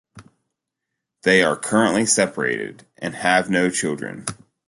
They are currently separated, and have no children.